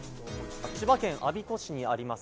千葉県我孫子市にあります